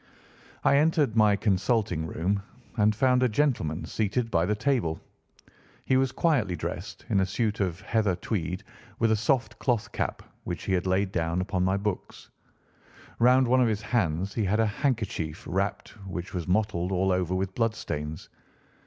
I entered my consulting room and found a gentleman seated by the table. He was quietly dressed in a suit of heather tweed with a soft cloth cap which he had laid down upon my books. Round one of his hands he had a handkerchief wrapped, which was mottled all over with bloodstains.